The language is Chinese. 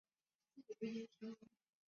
同年楠泰尔大学车站亦启用。